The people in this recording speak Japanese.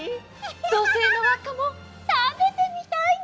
どせいのわっかもたべてみたいな。